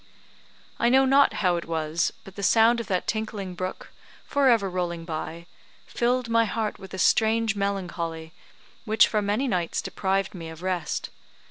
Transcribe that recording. I know not how it was, but the sound of that tinkling brook, for ever rolling by, filled my heart with a strange melancholy, which for many nights deprived me of rest.